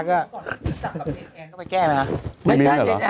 ต้องแก้ไหมคะ